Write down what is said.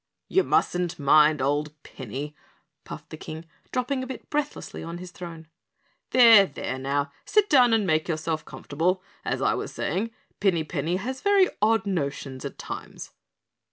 "You mustn't mind old Pinny," puffed the King, dropping a bit breathlessly on his throne. "There, there, now, sit down and make yourself comfortable. As I was saying, Pinny Penny has very odd notions at times."